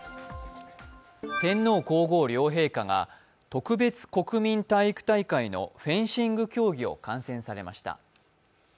天皇皇后両陛下が、特別国民体育大会のフェンシング競技を観戦されました。